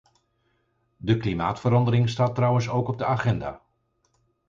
De klimaatverandering staat trouwens ook op de agenda.